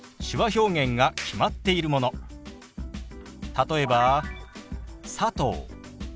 例えば「佐藤」。